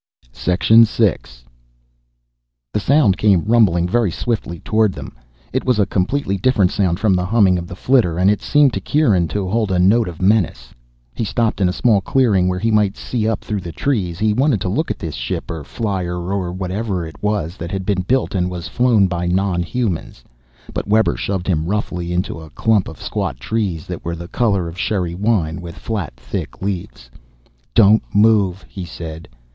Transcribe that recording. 6. The sound came rumbling very swiftly toward them. It was a completely different sound from the humming of the flitter, and it seemed to Kieran to hold a note of menace. He stopped in a small clearing where he might see up through the trees. He wanted a look at this ship or flier or whatever it was that had been built and was flown by non humans. But Webber shoved him roughly on into a clump of squat trees that were the color of sherry wine, with flat thick leaves. "Don't move," he said.